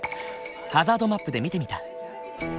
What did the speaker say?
ハザードマップで見てみた。